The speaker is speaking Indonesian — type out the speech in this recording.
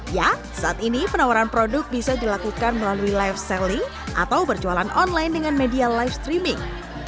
ya saat ini penawaran produk bisa dilakukan melalui live selling atau berjualan online dengan media live streaming